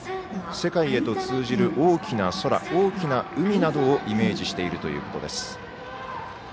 世界へと通じる大きな空大きな海などをイメージしているということです。